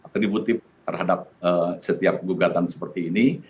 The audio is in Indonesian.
atributif terhadap setiap gugatan seperti ini